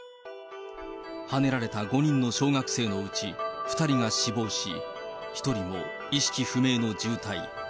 はねられた５人の小学生のうち２人が死亡し、１人も意識不明の重体。